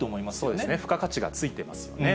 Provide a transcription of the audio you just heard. そうですね、付加価値が付いてますよね。